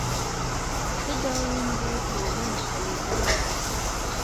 ښه ګاونډي ټولنه قوي کوي